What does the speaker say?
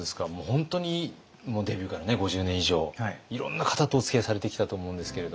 本当にもうデビューから５０年以上いろんな方とおつきあいされてきたと思うんですけれども。